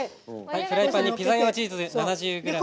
フライパンにピザ用チーズ７０ｇです。